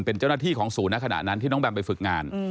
เป็นเจ้าหน้าที่ของศูนย์ในขณะนั้นที่น้องแมมไปฝึกงาน